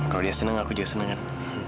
kalau dia seneng aku juga seneng kan